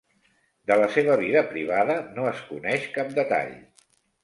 De la seva vida privada no es coneix cap detall.